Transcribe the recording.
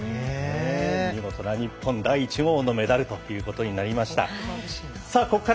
見事な日本第１号のメダルということになりました。